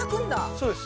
そうです。